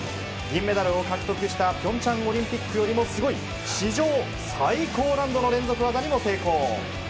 銀メダルを獲得したピョンチャンオリンピックよりもすごい、史上最高難度の連続技にも成功。